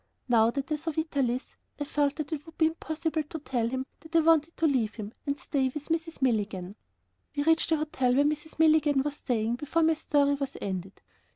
Now that I saw Vitalis, I felt that it would be impossible to tell him that I wanted to leave him and stay with Mrs. Milligan. We reached the hotel where Mrs. Milligan was staying, before my story was ended.